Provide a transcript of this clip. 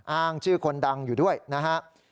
อ้างชื่อคนดังอยู่ด้วยนะฮะ